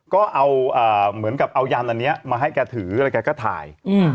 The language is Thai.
ก็เอาเหมือนกับเอายันอันนี้มาให้แกถืออะไรแกก็ถ่าย